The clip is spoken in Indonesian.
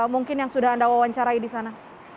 mungkin yang sudah anda wawancarai di sana